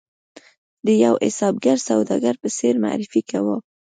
د یوه حسابګر سوداګر په څېر معرفي کاوه.